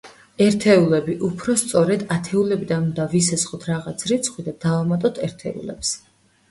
ერთეულები, უფრო სწორედ ათეულებიდან უნდა ვისესხოთ რაღაც რიცხვი და დავამატოთ ერთეულებს.